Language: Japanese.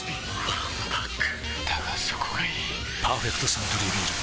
わんぱくだがそこがいい「パーフェクトサントリービール糖質ゼロ」